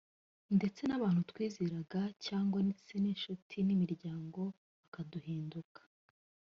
ndetse n'abantu twizeraga cyangwa se inshuti n'imiryango bakaduhinduka